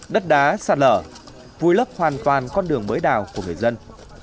đất đá xa lở vui lấp hoàn toàn con đường mới đào của người dân